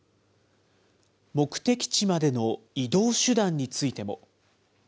目的地までの移動手段についても。